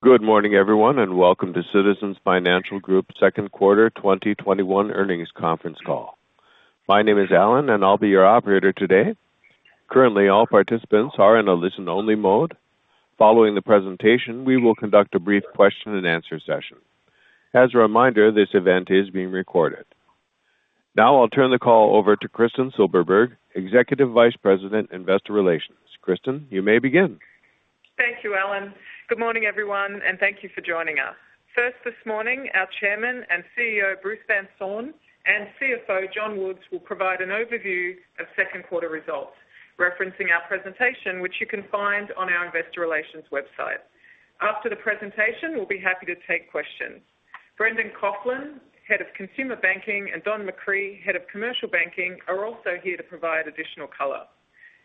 Good morning, everyone, and welcome to Citizens Financial Group second quarter 2021 earnings conference call. My name is Alan, and I'll be your operator today. Currently, all participants are in a listen-only mode. Following the presentation, we will conduct a brief question and answer session. As a reminder, this event is being recorded. Now I'll turn the call over to Kristin Silberberg, Executive Vice President, Investor Relations. Kristin, you may begin. Thank you, Alan. Good morning, everyone, thank you for joining us. First this morning, our Chairman and CEO, Bruce Van Saun, and CFO, John Woods, will provide an overview of second quarter results, referencing our presentation, which you can find on our investor relations website. After the presentation, we'll be happy to take questions. Brendan Coughlin, Head of Consumer Banking, and Don McCree, Head of Commercial Banking, are also here to provide additional color.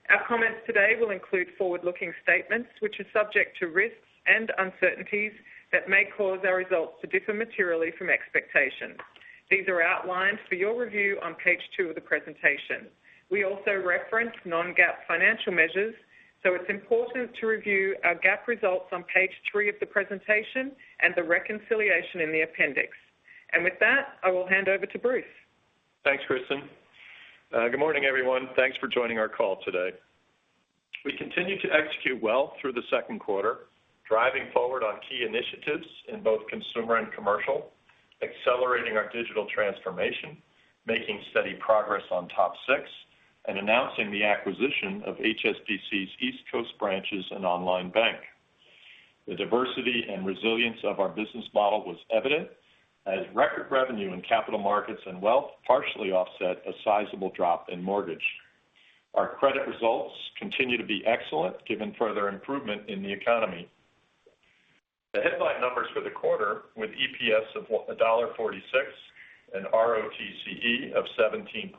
Our comments today will include forward-looking statements, which are subject to risks and uncertainties that may cause our results to differ materially from expectations. These are outlined for your review on page 2 of the presentation. We also reference non-GAAP financial measures, it's important to review our GAAP results on page three of the presentation and the reconciliation in the appendix. With that, I will hand over to Bruce. Thanks, Kristin. Good morning, everyone. Thanks for joining our call today. We continue to execute well through the second quarter, driving forward on key initiatives in both consumer and commercial, accelerating our digital transformation, making steady progress on TOP 6, and announcing the acquisition of HSBC's East Coast branches and online bank. The diversity and resilience of our business model was evident as record revenue in capital markets and wealth partially offset a sizable drop in mortgage. Our credit results continue to be excellent, given further improvement in the economy. The headline numbers for the quarter with EPS of $1.46 and ROTCE of 17.7%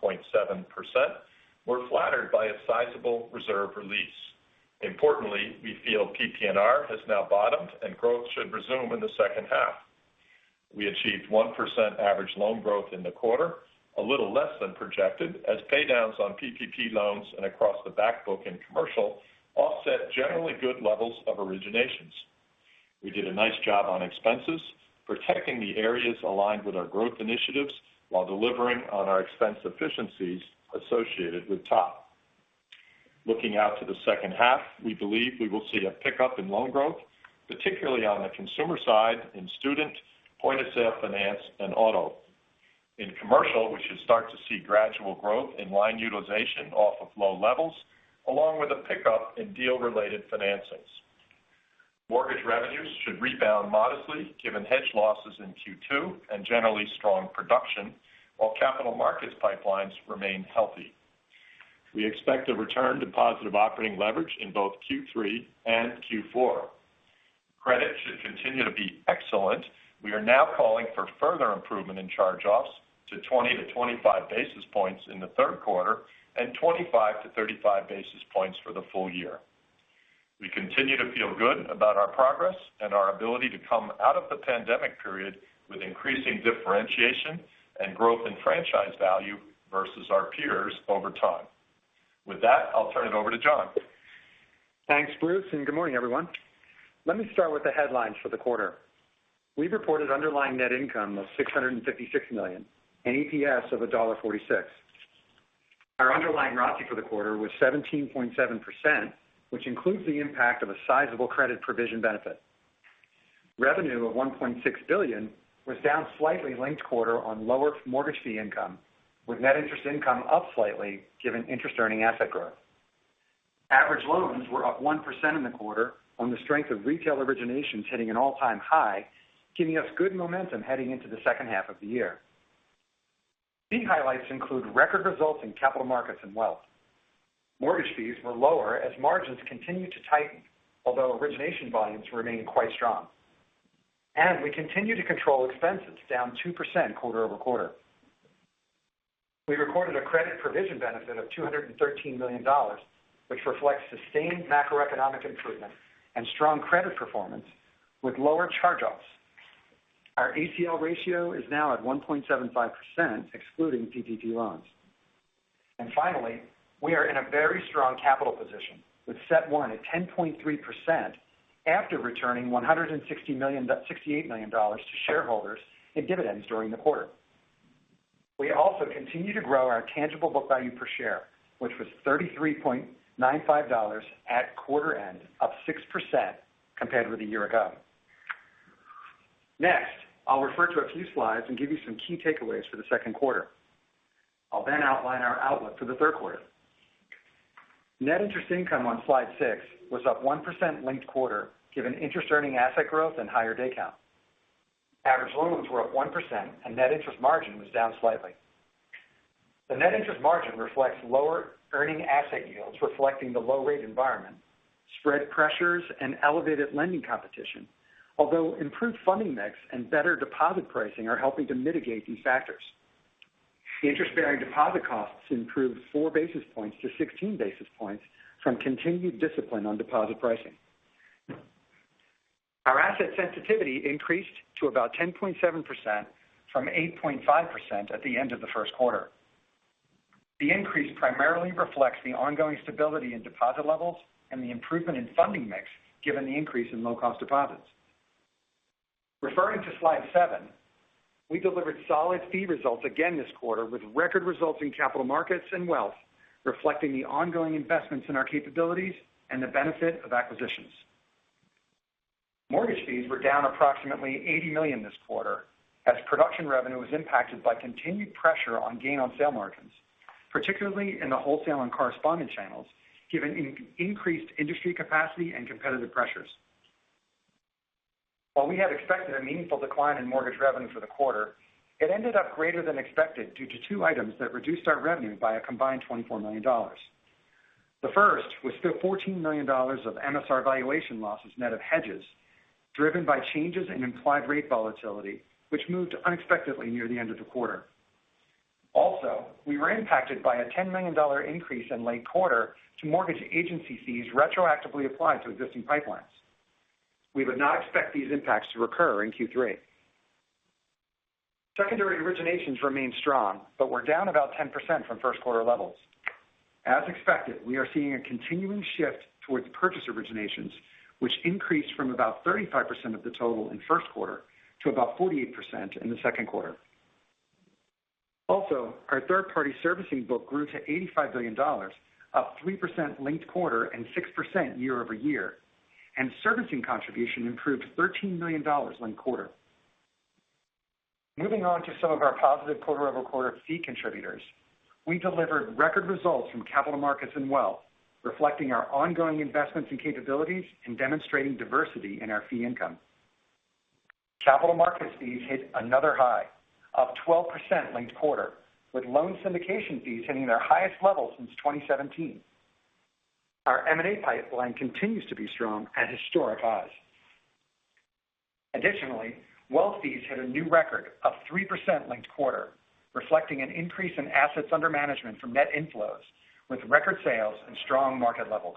were flattered by a sizable reserve release. Importantly, we feel PPNR has now bottomed, and growth should resume in the second half. We achieved 1% average loan growth in the quarter, a little less than projected, as paydowns on PPP loans and across the back book in commercial offset generally good levels of originations. We did a nice job on expenses, protecting the areas aligned with our growth initiatives while delivering on our expense efficiencies associated with TOP. Looking out to the second half, we believe we will see a pickup in loan growth, particularly on the consumer side in student, point-of-sale finance, and auto. In commercial, we should start to see gradual growth in line utilization off of low levels, along with a pickup in deal-related financings. Mortgage revenues should rebound modestly given hedge losses in Q2 and generally strong production, while capital markets pipelines remain healthy. We expect a return to positive operating leverage in both Q3 and Q4. Credit should continue to be excellent. We are now calling for further improvement in charge-offs to 20-25 basis points in the third quarter and 25-35 basis points for the full year. We continue to feel good about our progress and our ability to come out of the pandemic period with increasing differentiation and growth in franchise value versus our peers over time. With that, I'll turn it over to John. Thanks, Bruce, and good morning, everyone. Let me start with the headlines for the quarter. We've reported underlying net income of $656 million and EPS of $1.46. Our underlying ROTCE for the quarter was 17.7%, which includes the impact of a sizable credit provision benefit. Revenue of $1.6 billion was down slightly linked quarter on lower mortgage fee income, with net interest income up slightly, given interest-earning asset growth. Average loans were up 1% in the quarter on the strength of retail originations hitting an all-time high, giving us good momentum heading into the second half of the year. Key highlights include record results in capital markets and wealth. Mortgage fees were lower as margins continued to tighten, although origination volumes remained quite strong. We continue to control expenses down 2% quarter-over-quarter. We recorded a credit provision benefit of $213 million, which reflects sustained macroeconomic improvement and strong credit performance with lower charge-offs. Our ACL ratio is now at 1.75%, excluding PPP loans. Finally, we are in a very strong capital position with CET1 at 10.3% after returning $168 million to shareholders in dividends during the quarter. We also continue to grow our tangible book value per share, which was $33.95 at quarter end, up 6% compared with a year ago. Next, I'll refer to a few slides and give you some key takeaways for the second quarter. I'll outline our outlook for the third quarter. Net interest income on slide 6 was up 1% linked quarter, given interest-earning asset growth and higher day count. Average loans were up 1%. Net interest margin was down slightly. The net interest margin reflects lower earning asset yields, reflecting the low rate environment, spread pressures, and elevated lending competition. Improved funding mix and better deposit pricing are helping to mitigate these factors. The interest-bearing deposit costs improved 4 basis points to 16 basis points from continued discipline on deposit pricing. Asset sensitivity increased to about 10.7% from 8.5% at the end of the first quarter. The increase primarily reflects the ongoing stability in deposit levels and the improvement in funding mix given the increase in low-cost deposits. Referring to slide 7, we delivered solid fee results again this quarter with record results in capital markets and wealth, reflecting the ongoing investments in our capabilities and the benefit of acquisitions. Mortgage fees were down approximately $80 million this quarter as production revenue was impacted by continued pressure on gain on sale margins, particularly in the wholesale and correspondent channels, given increased industry capacity and competitive pressures. While we had expected a meaningful decline in mortgage revenue for the quarter, it ended up greater than expected due to 2 items that reduced our revenue by a combined $24 million. The first was the $14 million of MSR valuation losses net of hedges driven by changes in implied rate volatility, which moved unexpectedly near the end of the quarter. Also, we were impacted by a $10 million increase in late quarter to mortgage agency fees retroactively applied to existing pipelines. We would not expect these impacts to recur in Q3. Secondary originations remain strong, but were down about 10% from first quarter levels. As expected, we are seeing a continuing shift towards purchase originations, which increased from about 35% of the total in first quarter to about 48% in the second quarter. Also, our third-party servicing book grew to $85 billion, up 3% linked-quarter and 6% year-over-year, and servicing contribution improved $13 million linked-quarter. Moving on to some of our positive quarter-over-quarter fee contributors, we delivered record results from capital markets and wealth, reflecting our ongoing investments in capabilities and demonstrating diversity in our fee income. Capital markets fees hit another high, up 12% linked-quarter, with loan syndication fees hitting their highest level since 2017. Our M&A pipeline continues to be strong at historic highs. Additionally, wealth fees hit a new record, up 3% linked-quarter, reflecting an increase in assets under management from net inflows with record sales and strong market levels.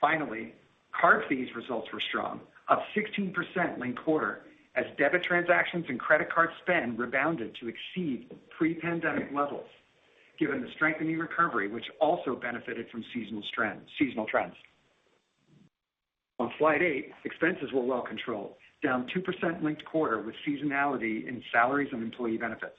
Finally, card fees results were strong, up 16% linked quarter as debit transactions and credit card spend rebounded to exceed pre-pandemic levels given the strengthening recovery, which also benefited from seasonal trends. On slide 8, expenses were well controlled, down 2% linked quarter with seasonality in salaries and employee benefits.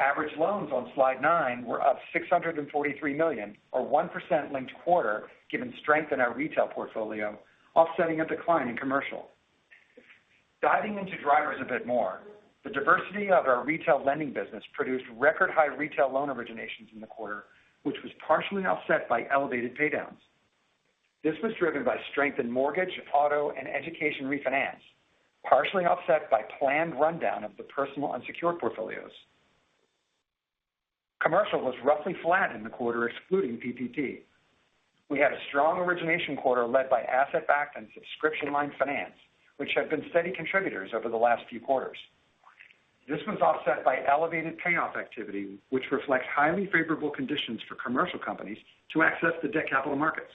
Average loans on slide 9 were up $643 million, or 1% linked quarter given strength in our retail portfolio offsetting a decline in commercial. Diving into drivers a bit more, the diversity of our retail lending business produced record high retail loan originations in the quarter, which was partially offset by elevated paydowns. This was driven by strength in mortgage, auto, and education refinance, partially offset by planned rundown of the personal unsecured portfolios. Commercial was roughly flat in the quarter excluding PPP. We had a strong origination quarter led by asset-backed and subscription line finance, which have been steady contributors over the last few quarters. This was offset by elevated payoff activity which reflects highly favorable conditions for commercial companies to access the debt capital markets.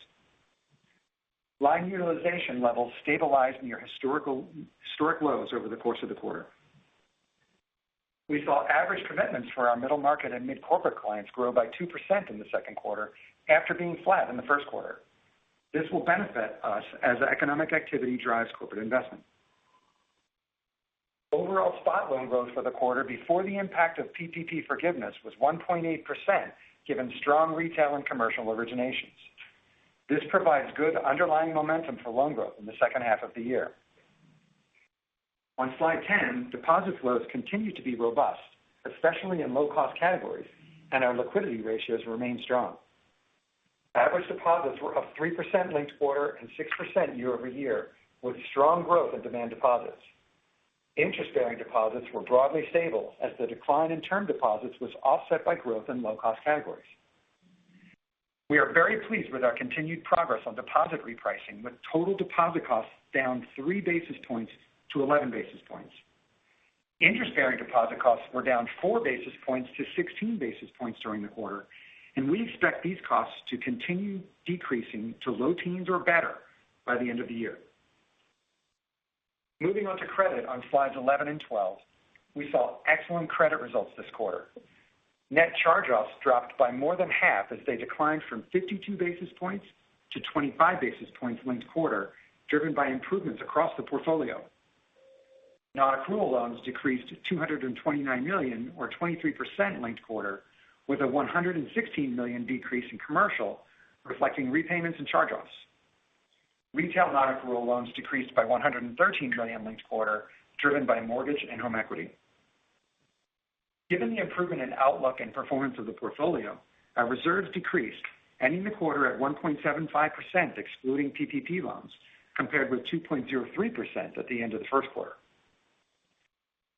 Line utilization levels stabilized near historic lows over the course of the quarter. We saw average commitments for our middle market and mid-corporate clients grow by 2% in the second quarter after being flat in the first quarter. This will benefit us as economic activity drives corporate investment. Overall spot loan growth for the quarter before the impact of PPP forgiveness was 1.8% given strong retail and commercial originations. This provides good underlying momentum for loan growth in the second half of the year. On slide 10, deposit flows continue to be robust, especially in low-cost categories, and our liquidity ratios remain strong. Average deposits were up 3% linked quarter and 6% year-over-year with strong growth in demand deposits. Interest-bearing deposits were broadly stable as the decline in term deposits was offset by growth in low-cost categories. We are very pleased with our continued progress on deposit repricing with total deposit costs down 3 basis points to 11 basis points. Interest-bearing deposit costs were down 4 basis points to 16 basis points during the quarter. We expect these costs to continue decreasing to low teens or better by the end of the year. Moving on to credit on slides 11 and 12, we saw excellent credit results this quarter. Net charge-offs dropped by more than half as they declined from 52 basis points to 25 basis points linked quarter driven by improvements across the portfolio. Nonaccrual loans decreased to $229 million, or 23% linked quarter with a $116 million decrease in commercial reflecting repayments and charge-offs. Retail nonaccrual loans decreased by $113 million linked quarter driven by mortgage and home equity. Given the improvement in outlook and performance of the portfolio, our reserves decreased, ending the quarter at 1.75% excluding PPP loans, compared with 2.03% at the end of the first quarter.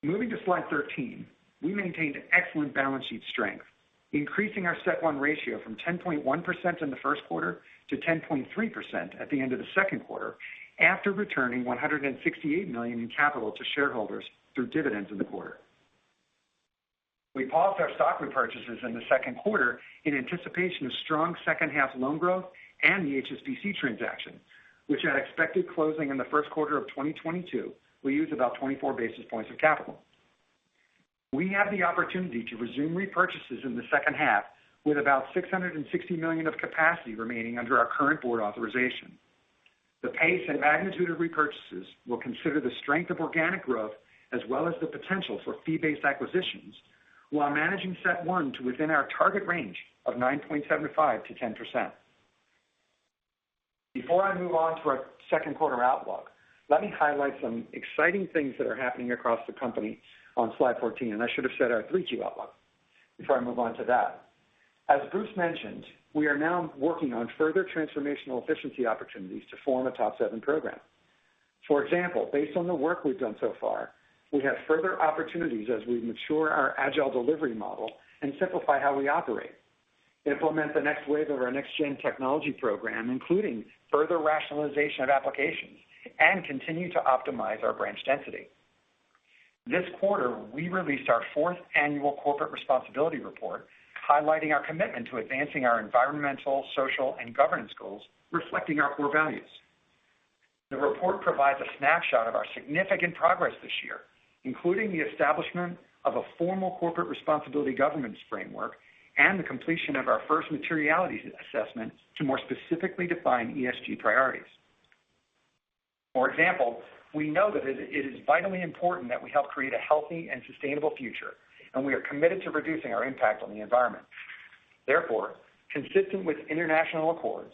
Moving to slide 13, we maintained excellent balance sheet strength, increasing our CET1 ratio from 10.1% in the first quarter to 10.3% at the end of the second quarter after returning $168 million in capital to shareholders through dividends in the quarter. We paused our stock repurchases in the second quarter in anticipation of strong second half loan growth and the HSBC transaction, which at expected closing in the first quarter of 2022 will use about 24 basis points of capital. We have the opportunity to resume repurchases in the second half with about $660 million of capacity remaining under our current board authorization. The pace and magnitude of repurchases will consider the strength of organic growth as well as the potential for fee-based acquisitions while managing CET1 to within our target range of 9.75%-10%. Before I move on to our second quarter outlook, let me highlight some exciting things that are happening across the company on slide 14. I should have said our 3Q outlook before I move on to that. As Bruce mentioned, we are now working on further transformational efficiency opportunities to form a TOP 7 program. For example, based on the work we've done so far, we have further opportunities as we mature our agile delivery model and simplify how we operate, implement the next wave of our Next-Gen Technology Program including further rationalization of applications, and continue to optimize our branch density. This quarter, we released our fourth annual corporate responsibility report highlighting our commitment to advancing our environmental, social, and governance goals reflecting our core values. The report provides a snapshot of our significant progress this year, including the establishment of a formal corporate responsibility governance framework and the completion of our first materiality assessment to more specifically define ESG priorities. For example, we know that it is vitally important that we help create a healthy and sustainable future, and we are committed to reducing our impact on the environment. Therefore, consistent with international accords,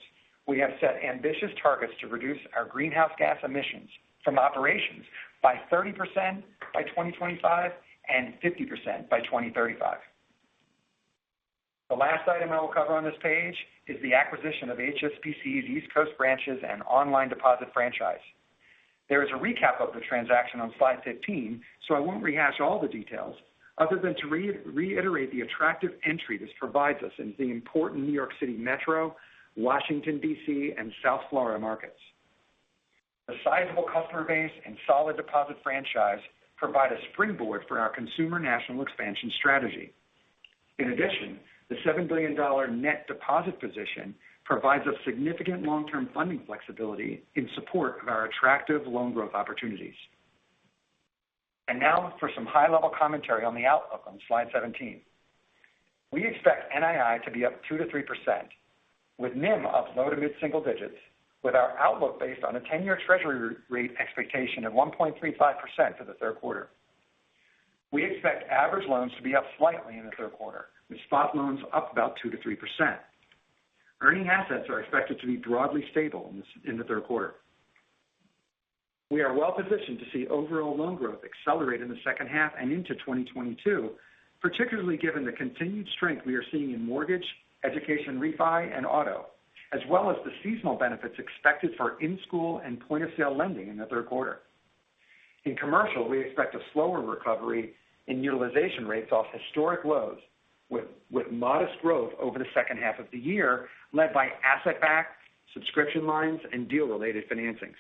we have set ambitious targets to reduce our greenhouse gas emissions from operations by 30% by 2025 and 50% by 2035. The last item I will cover on this page is the acquisition of HSBC's East Coast branches and online deposit franchise. There is a recap of the transaction on slide 15, so I won't rehash all the details other than to reiterate the attractive entry this provides us in the important New York City Metro, Washington, D.C., and South Florida markets. The sizable customer base and solid deposit franchise provide a springboard for our consumer national expansion strategy. In addition, the $7 billion net deposit position provides us significant long-term funding flexibility in support of our attractive loan growth opportunities. Now for some high-level commentary on the outlook on slide 17. We expect NII to be up 2%-3% with NIM up low to mid-single digits with our outlook based on a 10-year treasury rate expectation of 1.35% for the third quarter. We expect average loans to be up slightly in the third quarter with spot loans up about 2%-3%. Earning assets are expected to be broadly stable in the third quarter. We are well-positioned to see overall loan growth accelerate in the second half and into 2022, particularly given the continued strength we are seeing in mortgage, education refi, and auto, as well as the seasonal benefits expected for in-school and point-of-sale lending in the third quarter. In commercial, we expect a slower recovery in utilization rates off historic lows with modest growth over the second half of the year led by asset-backed subscription lines and deal-related financings.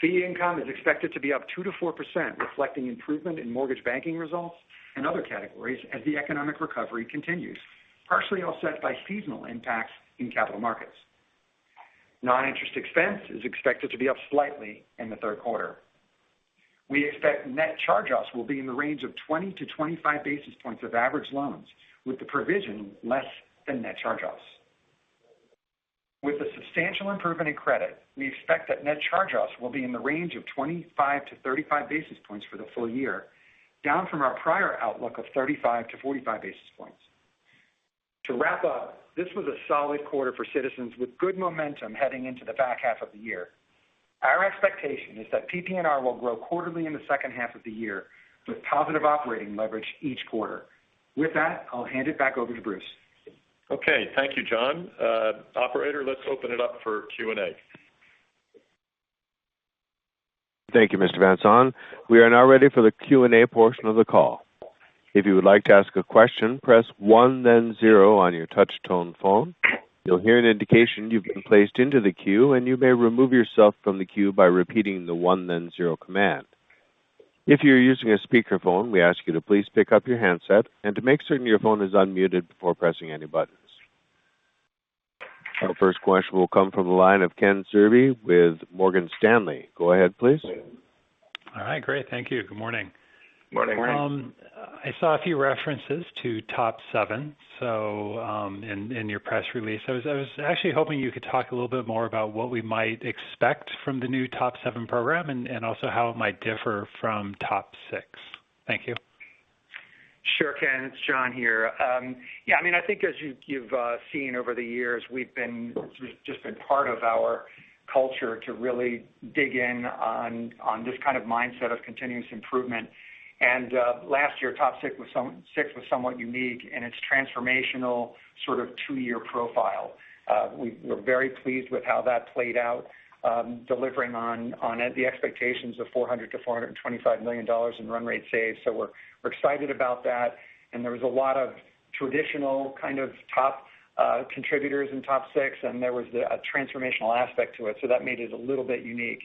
Fee income is expected to be up 2%-4%, reflecting improvement in mortgage banking results and other categories as the economic recovery continues, partially offset by seasonal impacts in capital markets. Non-interest expense is expected to be up slightly in the third quarter. We expect net charge-offs will be in the range of 20-25 basis points of average loans, with the provision less than net charge-offs. With a substantial improvement in credit, we expect that net charge-offs will be in the range of 25-35 basis points for the full year, down from our prior outlook of 35-45 basis points. To wrap up, this was a solid quarter for Citizens with good momentum heading into the back half of the year. Our expectation is that PPNR will grow quarterly in the second half of the year with positive operating leverage each quarter. With that, I'll hand it back over to Bruce. Okay. Thank you, John. Operator, let's open it up for Q&A. Thank you, Mr. Van Saun. We are now ready for the Q&A portion of the call. If you would like to ask a question press one then zero on your touchtone phone. You will hear an indication that you will be placed into the queue and you may remove yourself from the queue by repeating the one then zero command. If you are using a speaker phone we ask you to please pick up your handset and make sure your phone is unmuted before pressing any buttons. Our first question will come from the line of Ken Zerbe with Morgan Stanley. Go ahead, please. All right. Great. Thank you. Good morning. Morning. Morning. I saw a few references to TOP 7 in your press release. I was actually hoping you could talk a little bit more about what we might expect from the new TOP 7 program and also how it might differ from TOP 6. Thank you. Sure, Ken. It's John here. I think as you've seen over the years, it's just been part of our culture to really dig in on this kind of mindset of continuous improvement. Last year TOP 6 was somewhat unique in its transformational two-year profile. We're very pleased with how that played out, delivering on the expectations of $400 million-$425 million in run rate saves. We're excited about that. There was a lot of traditional kind of top contributors in TOP 6, and there was a transformational aspect to it, so that made it a little bit unique.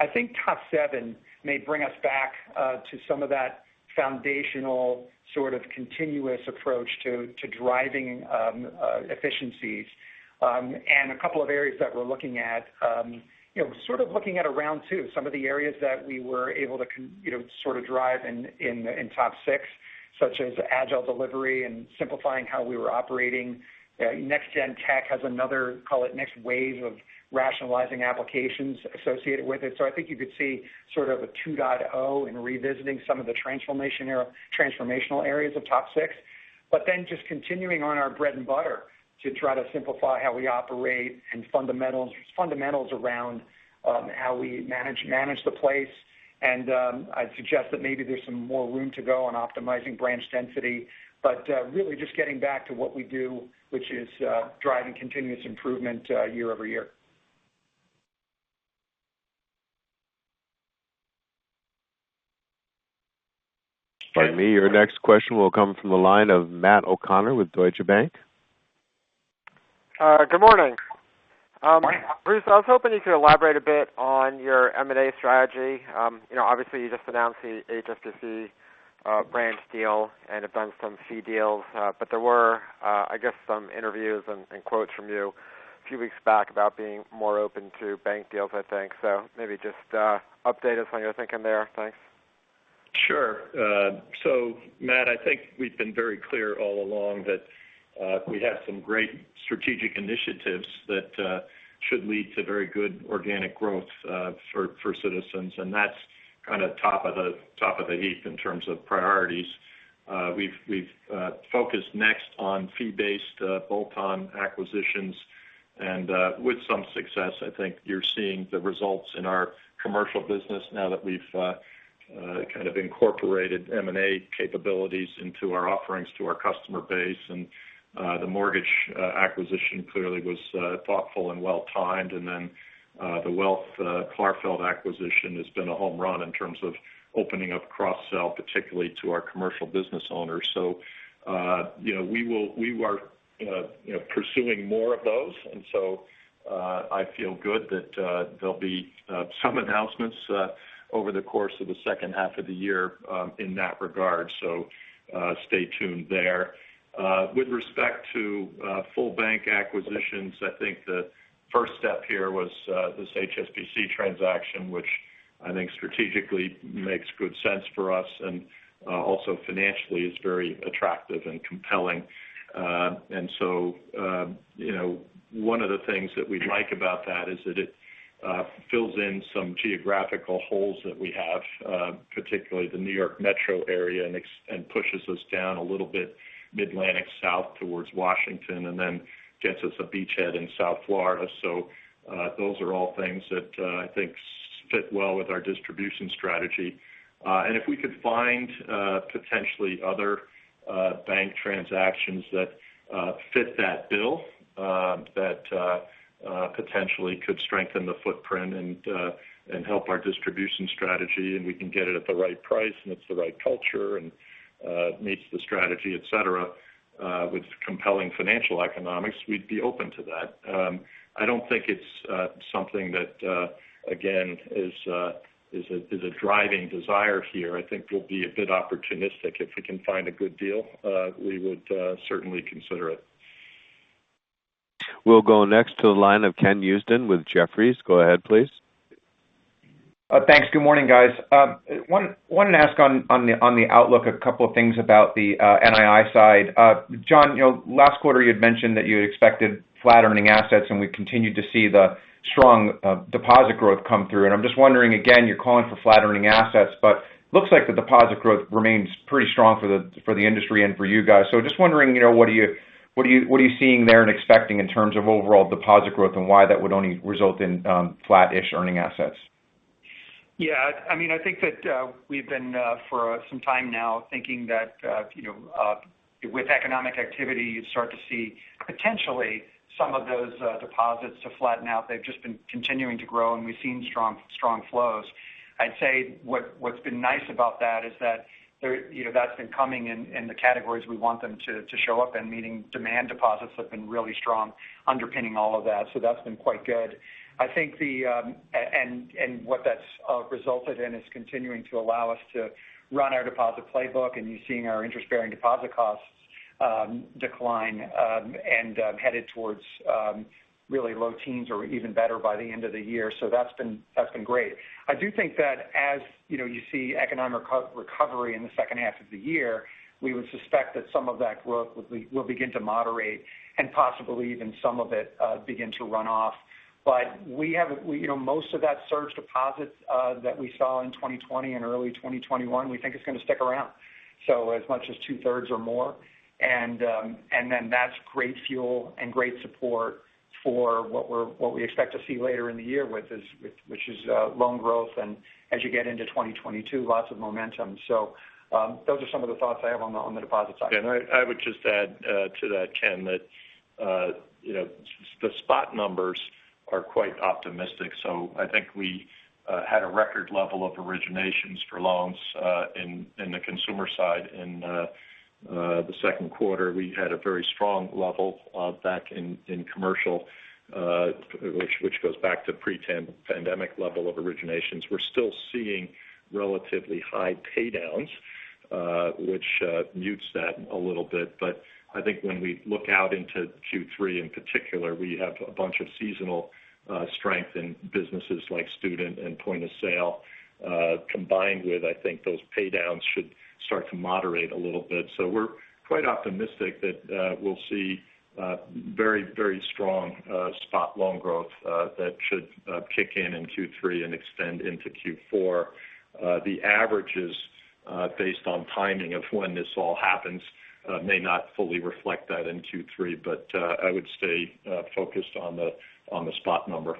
I think TOP 7 may bring us back to some of that foundational sort of continuous approach to driving efficiencies. A couple of areas that we're looking at, sort of looking at a round 2, some of the areas that we were able to sort of drive in TOP 6, such as agile delivery and simplifying how we were operating. Next-gen tech has another, call it next wave of rationalizing applications associated with it. I think you could see sort of a 2.0 in revisiting some of the transformational areas of TOP 6. Just continuing on our bread and butter to try to simplify how we operate and fundamentals around how we manage the place. I'd suggest that maybe there's some more room to go on optimizing branch density. Really just getting back to what we do, which is driving continuous improvement year-over-year. Pardon me. Your next question will come from the line of Matt O'Connor with Deutsche Bank. Good morning. Bruce, I was hoping you could elaborate a bit on your M&A strategy. Obviously you just announced the HSBC branch deal and have done some fee deals. There were, I guess, some interviews and quotes from you a few weeks back about being more open to bank deals, I think. Maybe just update us on your thinking there. Thanks. Matt, I think we've been very clear all along that we have some great strategic initiatives that should lead to very good organic growth for Citizens, and that's kind of top of the heap in terms of priorities. We've focused next on fee-based bolt-on acquisitions and with some success. I think you're seeing the results in our commercial business now that we've kind of incorporated M&A capabilities into our offerings to our customer base. The mortgage acquisition clearly was thoughtful and well-timed. The wealth Clarfeld acquisition has been a home run in terms of opening up cross-sell, particularly to our commercial business owners. We are pursuing more of those, I feel good that there'll be some announcements over the course of the second half of the year in that regard. Stay tuned there. With respect to full bank acquisitions, I think the first step here was this HSBC transaction, which I think strategically makes good sense for us and also financially is very attractive and compelling. One of the things that we like about that is that it fills in some geographical holes that we have, particularly the New York metro area, and pushes us down a little bit Mid-Atlantic South towards Washington and then gets us a beachhead in South Florida. Those are all things that I think fit well with our distribution strategy. If we could find potentially other bank transactions that fit that bill that potentially could strengthen the footprint and help our distribution strategy, and we can get it at the right price, and it's the right culture, and meets the strategy, et cetera, with compelling financial economics, we'd be open to that. I don't think it's something that, again, is a driving desire here. I think we'll be a bit opportunistic. If we can find a good deal, we would certainly consider it. We'll go next to the line of Ken Usdin with Jefferies. Go ahead, please. Thanks. Good morning, guys. Wanted to ask on the outlook, a couple of things about the NII side. John, last quarter you had mentioned that you had expected flat earning assets, and we continued to see the strong deposit growth come through. I'm just wondering again, you're calling for flat earning assets, but looks like the deposit growth remains pretty strong for the industry and for you guys. Just wondering, what are you seeing there and expecting in terms of overall deposit growth and why that would only result in flat-ish earning assets? Yeah. I think that we've been, for some time now, thinking that with economic activity, you'd start to see potentially some of those deposits to flatten out. They've just been continuing to grow, and we've seen strong flows. I'd say what's been nice about that is that that's been coming in the categories we want them to show up in, meaning demand deposits have been really strong underpinning all of that. That's been quite good. What that's resulted in is continuing to allow us to run our deposit playbook, and you're seeing our interest-bearing deposit costs decline and headed towards really low teens or even better by the end of the year. That's been great. I do think that as you see economic recovery in the second half of the year, we would suspect that some of that growth will begin to moderate and possibly even some of it begin to run off. Most of that surge deposit that we saw in 2020 and early 2021, we think is going to stick around, so as much as two-thirds or more. That's great fuel and great support for what we expect to see later in the year, which is loan growth and as you get into 2022, lots of momentum. Those are some of the thoughts I have on the deposit side. I would just add to that, Ken, that the spot numbers are quite optimistic. I think we had a record level of originations for loans in the consumer side in the second quarter. We had a very strong level back in commercial, which goes back to pre-pandemic level of originations. We're still seeing relatively high pay-downs which mutes that a little bit. I think when we look out into Q3, in particular, we have a bunch of seasonal strength in businesses like student and point-of-sale, combined with, I think, those pay-downs should start to moderate a little bit. We're quite optimistic that we'll see very strong spot loan growth that should kick in in Q3 and extend into Q4. The averages based on timing of when this all happens may not fully reflect that in Q3, but I would stay focused on the spot number.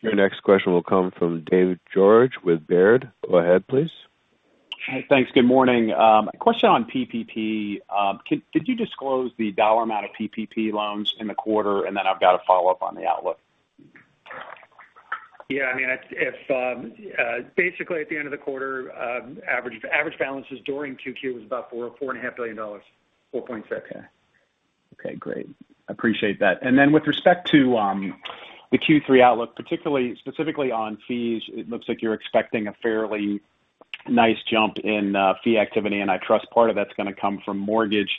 Your next question will come from David George with Baird. Go ahead, please. Hi, thanks. Good morning. Question on PPP. Could you disclose the dollar amount of PPP loans in the quarter? I've got a follow-up on the outlook. Yeah. Basically, at the end of the quarter, average balances during Q2 was about $4.5 billion. $4.6 billion. Okay. Great. Appreciate that. With respect to the Q3 outlook, specifically on fees, it looks like you're expecting a fairly nice jump in fee activity, and I trust part of that's going to come from mortgage.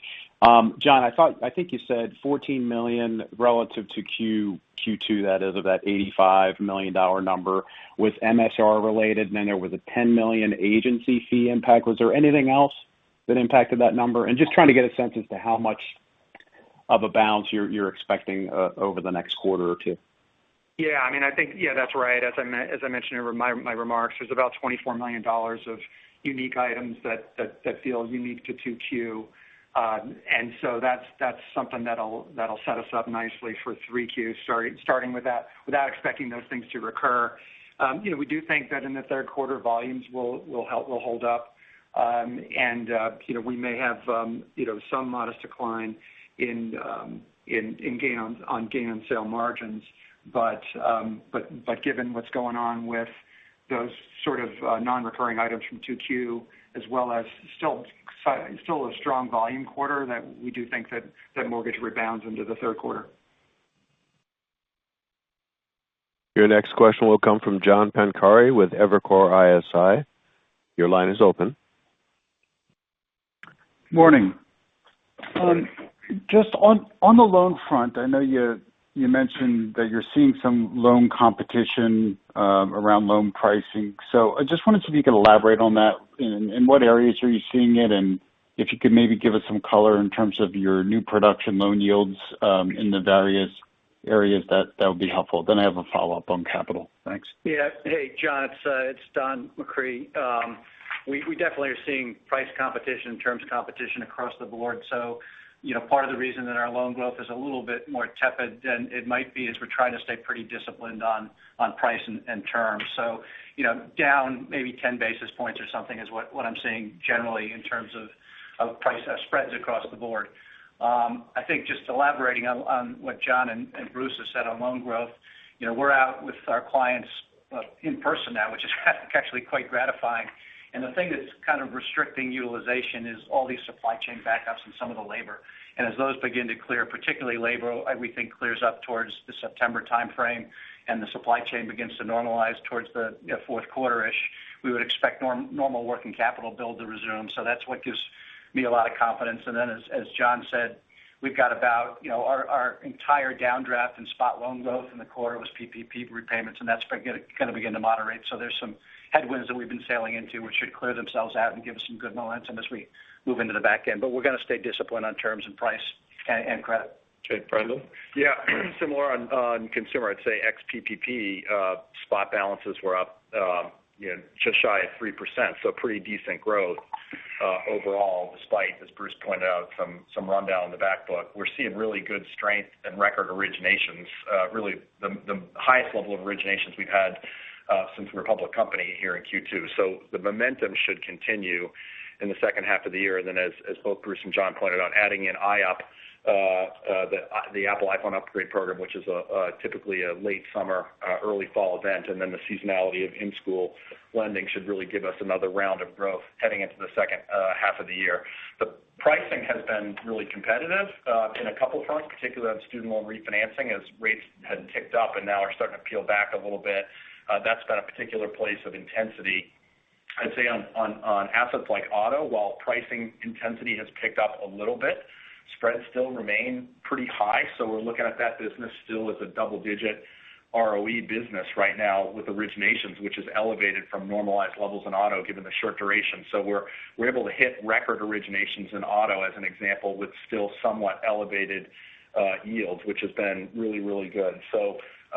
John, I think you said $14 million relative to Q2, that is of that $85 million number was MSR related, and then there was a $10 million agency fee impact. Was there anything else that impacted that number? Just trying to get a sense as to how much of a bounce you're expecting over the next quarter or two. Yeah. That's right. As I mentioned in my remarks, there's about $24 million of unique items that feel unique to 2Q. So that's something that'll set us up nicely for 3Q, starting with that, without expecting those things to recur. We do think that in the third quarter, volumes will hold up. We may have some modest decline on gain on sale margins. Given what's going on with those sort of non-recurring items from 2Q, as well as still a strong volume quarter that we do think that mortgage rebounds into the third quarter. Your next question will come from John Pancari with Evercore ISI. Your line is open. Morning. Just on the loan front, I know you mentioned that you're seeing some loan competition around loan pricing. I just wondered if you could elaborate on that. In what areas are you seeing it, and if you could maybe give us some color in terms of your new production loan yields in the various areas, that would be helpful. I have a follow-up on capital. Thanks. Yeah. Hey, John, it's Don McCree. We definitely are seeing price competition and terms competition across the board. Part of the reason that our loan growth is a little bit more tepid than it might be is we're trying to stay pretty disciplined on price and terms. Down maybe 10 basis points or something is what I'm seeing generally in terms of price spreads across the board. I think just elaborating on what John and Bruce has said on loan growth. We're out with our clients in person now, which is actually quite gratifying. The thing that's kind of restricting utilization is all these supply chain backups and some of the labor. As those begin to clear, particularly labor, we think clears up towards the September timeframe, and the supply chain begins to normalize towards the fourth quarter-ish, we would expect normal working capital build to resume. That's what gives me a lot of confidence. Then as John said, our entire downdraft in spot loan growth in the quarter was PPP repayments, and that's going to begin to moderate. There's some headwinds that we've been sailing into, which should clear themselves out and give us some good momentum as we move into the back end. We're going to stay disciplined on terms and price and credit. Okay. Brendan? Similar on consumer, I'd say ex-PPP spot balances were up just shy of 3%, pretty decent growth overall, despite, as Bruce pointed out, some rundown in the back book. We're seeing really good strength and record originations. Really the highest level of originations we've had since we were a public company here in Q2. The momentum should continue in the second half of the year. As both Bruce and John pointed out, adding in IUAP, the Apple iPhone Upgrade Program, which is typically a late summer, early fall event, the seasonality of in-school lending should really give us another round of growth heading into the second half of the year. The pricing has been really competitive in a couple fronts, particularly on student loan refinancing as rates had ticked up and now are starting to peel back a little bit. That's been a particular place of intensity. I'd say on assets like auto, while pricing intensity has ticked up a little bit, spreads still remain pretty high. We're looking at that business still as a double-digit ROE business right now with originations, which is elevated from normalized levels in auto given the short duration. We're able to hit record originations in auto, as an example, with still somewhat elevated yields, which has been really, really good.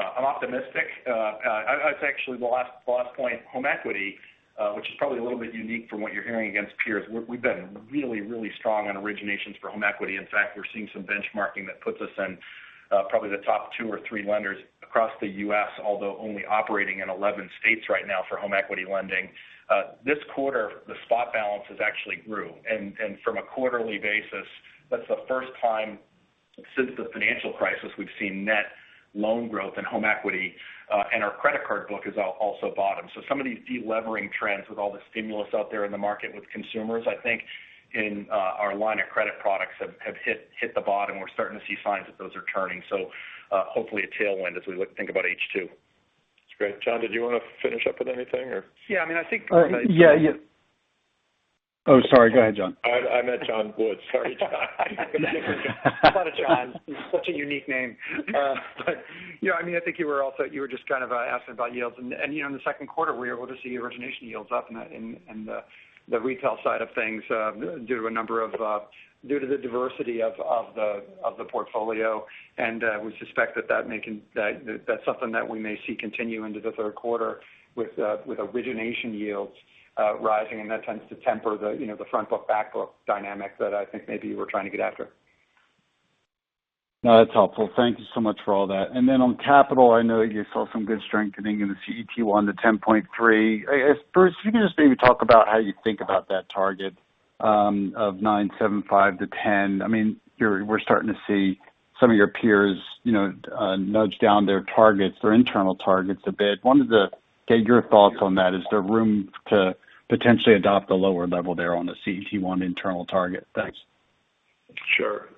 I'm optimistic. Actually, the last point, home equity, which is probably a little bit unique from what you're hearing against peers. We've been really, really strong on originations for home equity. In fact, we're seeing some benchmarking that puts us in probably the top two or three lenders across the U.S., although only operating in 11 states right now for home equity lending. This quarter, the spot balances actually grew. From a quarterly basis, that's the first time. Since the financial crisis, we've seen net loan growth in home equity, and our credit card book has also bottomed. Some of these de-levering trends with all the stimulus out there in the market with consumers, I think in our line of credit products have hit the bottom. We're starting to see signs that those are turning. Hopefully a tailwind as we think about H2. That's great. John, did you want to finish up with anything or? Yeah. Yeah. Oh, sorry. Go ahead, John. I meant John Woods. Sorry, John. There's a lot of Johns. Such a unique name. I think you were just kind of asking about yields. In the second quarter, we were able to see origination yields up in the retail side of things due to the diversity of the portfolio. We suspect that's something that we may see continue into the third quarter with origination yields rising, and that tends to temper the front book/back book dynamic that I think maybe you were trying to get after. No, that's helpful. Thank you so much for all that. On capital, I know you saw some good strengthening in the CET1 to 10.3%. Bruce, if you can just maybe talk about how you think about that target of 9.75% to 10%. We are starting to see some of your peers nudge down their targets, their internal targets a bit. Wanted to get your thoughts on that. Is there room to potentially adopt a lower level there on the CET1 internal target? Thanks. Sure.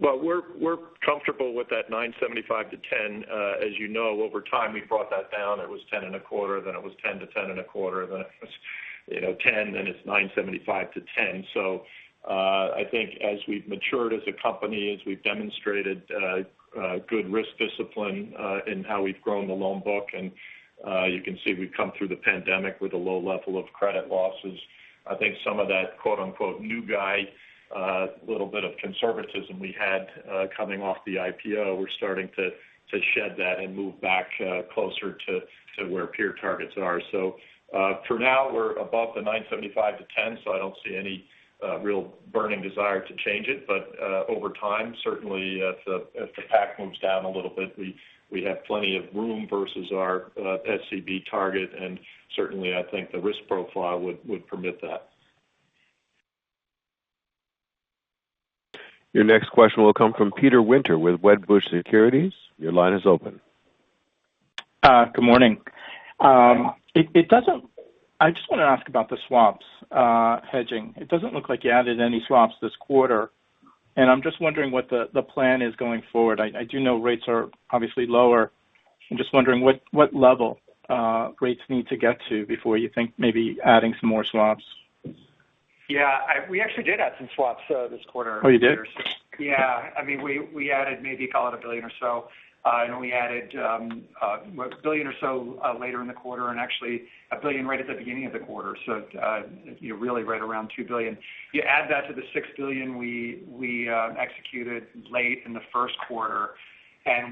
Well, we're comfortable with that 9.75%-10%. As you know, over time, we've brought that down. It was 10.25%, then it was 10%-10.25%, then it was 10%, then it's 9.75%-10%. I think as we've matured as a company, as we've demonstrated good risk discipline in how we've grown the loan book, and you can see we've come through the pandemic with a low level of credit losses. I think some of that quote unquote "new guy" little bit of conservatism we had coming off the IPO, we're starting to shed that and move back closer to where peer targets are. For now, we're above the 9.75%-10%, so I don't see any real burning desire to change it. Over time, certainly if the pack moves down a little bit, we have plenty of room versus our SCB target, and certainly I think the risk profile would permit that. Your next question will come from Peter Winter with Wedbush Securities. Your line is open. Good morning. I just want to ask about the swaps hedging. It doesn't look like you added any swaps this quarter, and I'm just wondering what the plan is going forward. I do know rates are obviously lower. I'm just wondering what level rates need to get to before you think maybe adding some more swaps. Yeah, we actually did add some swaps this quarter. Oh, you did? Yeah. We added maybe call it $1 billion or so. We added $1 billion or so later in the quarter, actually $1 billion right at the beginning of the quarter. Really right around $2 billion. You add that to the $6 billion we executed late in the first quarter,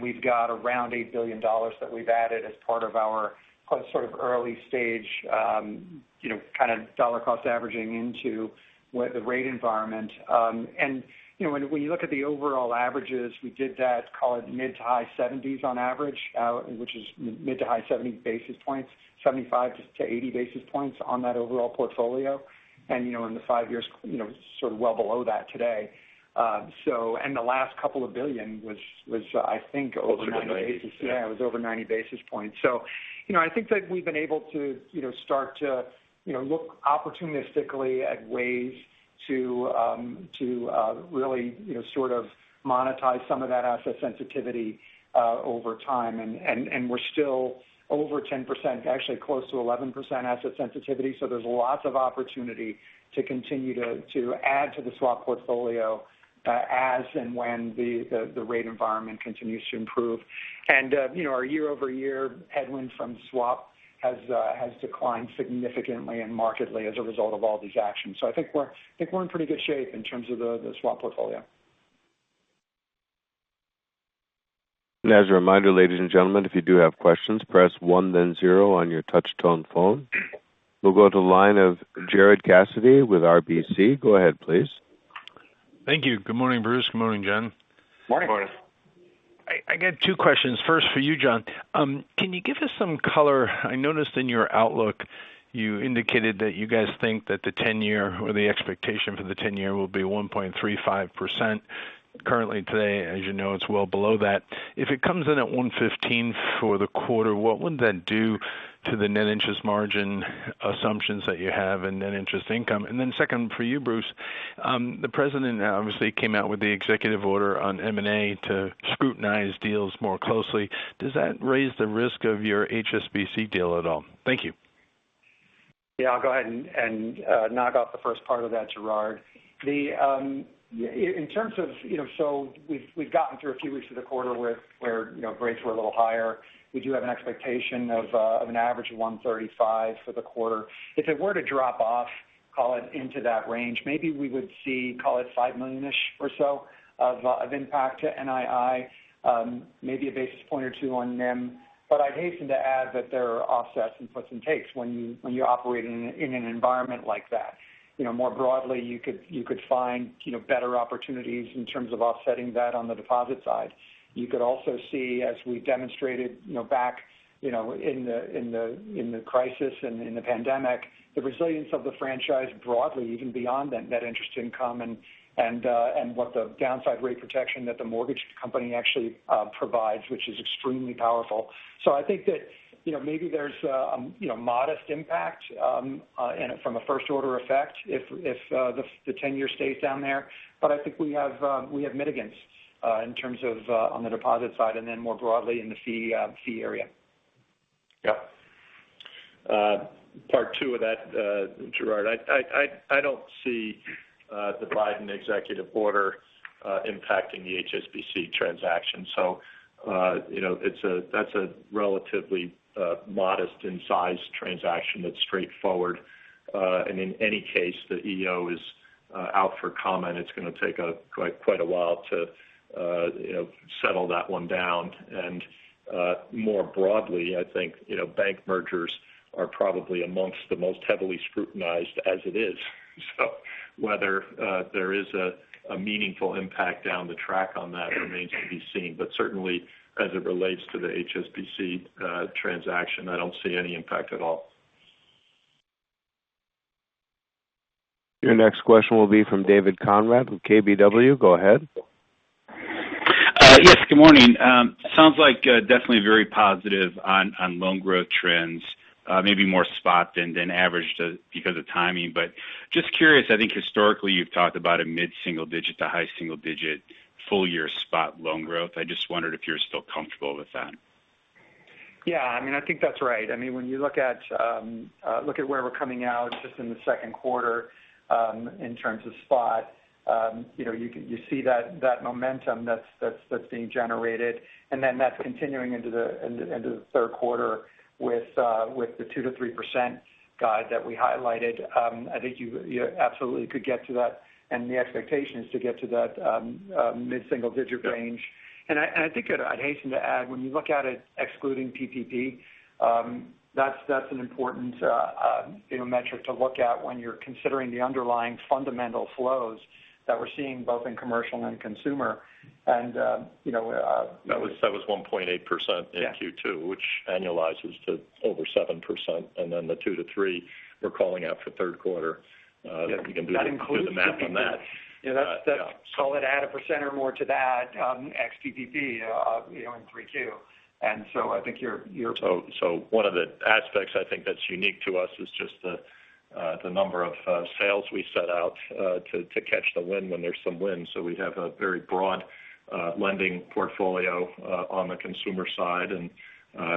we've got around $8 billion that we've added as part of our sort of early-stage kind of dollar cost averaging into the rate environment. When you look at the overall averages, we did that call it mid to high 70s on average, which is mid to high 70 basis points, 75 to 80 basis points on that overall portfolio. In the 5 years, sort of well below that today. The last $2 billion was, I think. Over 90 basis. Yeah, it was over 90 basis points. I think that we've been able to start to look opportunistically at ways to really sort of monetize some of that asset sensitivity over time. We're still over 10%, actually close to 11% asset sensitivity. There's lots of opportunity to continue to add to the swap portfolio as and when the rate environment continues to improve. Our year-over-year headwind from swap has declined significantly and markedly as a result of all these actions. I think we're in pretty good shape in terms of the swap portfolio. As a reminder ladies and gentlemen, If you do have questions press one then zero on your touchstone phone. We'll go to the line of Gerard Cassidy with RBC. Go ahead, please. Thank you. Good morning, Bruce. Good morning, John. Morning. Morning. I got two questions. First for you, John. Can you give us some color? I noticed in your outlook you indicated that you guys think that the 10-year or the expectation for the 10-year will be 1.35%. Currently today, as you know, it's well below that. If it comes in at 1.15 for the quarter, what would that do to the net interest margin assumptions that you have and net interest income? Second for you, Bruce, the president obviously came out with the executive order on M&A to scrutinize deals more closely. Does that raise the risk of your HSBC deal at all? Thank you. Yeah, I'll go ahead and knock off the first part of that, Gerard. We've gotten through a few weeks of the quarter where rates were a little higher. We do have an expectation of an average of 135 for the quarter. If it were to drop off, call it into that range, maybe we would see call it $5 million-ish or so of impact to NII, maybe 1 basis point or 2 on NIM. I'd hasten to add that there are offsets and gives and takes when you're operating in an environment like that. More broadly, you could find better opportunities in terms of offsetting that on the deposit side. You could also see, as we demonstrated back in the crisis and in the pandemic, the resilience of the franchise broadly even beyond net interest income and what the downside rate protection that the mortgage company actually provides, which is extremely powerful. I think that maybe there's a modest impact from a first order effect if the 10-year stays down there. I think we have mitigants in terms of on the deposit side and then more broadly in the fee area. Yep. Part two of that, Gerard, I don't see the Biden executive order impacting the HSBC transaction. That's a relatively modest in size transaction that's straightforward. In any case, the EO is out for comment. It's going to take quite a while to settle that one down. More broadly, I think, bank mergers are probably amongst the most heavily scrutinized as it is. Whether there is a meaningful impact down the track on that remains to be seen. Certainly as it relates to the HSBC transaction, I don't see any impact at all. Your next question will be from David Konrad with KBW. Go ahead. Yes, good morning. Sounds like definitely very positive on loan growth trends. Maybe more spot than average because of timing, just curious, I think historically you've talked about a mid-single digit to high single digit full year spot loan growth. I just wondered if you're still comfortable with that. Yeah, I think that's right. When you look at where we're coming out just in the second quarter, in terms of spot, you see that momentum that's being generated, then that's continuing into the third quarter with the 2%-3% guide that we highlighted. I think you absolutely could get to that and the expectation is to get to that mid-single digit range. I think I'd hasten to add, when you look at it excluding PPP, that's an important metric to look at when you're considering the underlying fundamental flows that we're seeing both in commercial and consumer. That was 1.8% in Q2, which annualizes to over 7%. The 2%-3% we're calling out for third quarter. You can do the math on that. That includes PPP. I'd add 1% or more to that ex-PPP in 3Q. One of the aspects I think that's unique to us is just the number of sails we set out to catch the wind when there's some wind. We have a very broad lending portfolio on the consumer side, and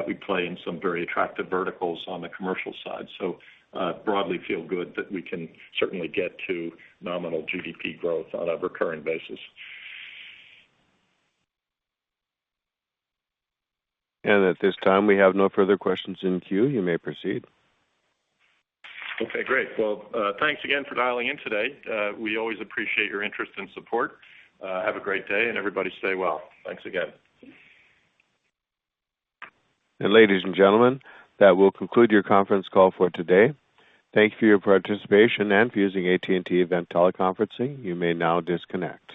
we play in some very attractive verticals on the commercial side. Broadly feel good that we can certainly get to nominal GDP growth on a recurring basis. At this time, we have no further questions in queue. You may proceed. Okay, great. Thanks again for dialing in today. We always appreciate your interest and support. Have a great day and everybody stay well. Thanks again. Ladies and gentlemen, that will conclude your conference call for today. Thank you for your participation and for using AT&T Event Teleconferencing. You may now disconnect.